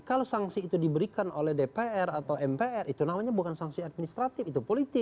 kalau sanksi itu diberikan oleh dpr atau mpr itu namanya bukan sanksi administratif itu politik